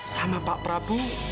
sama pak prabu